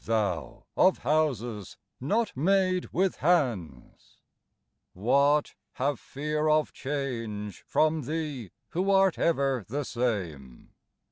Thou, of houses not made with hands ! What, have fear of change from Thee who art ever the same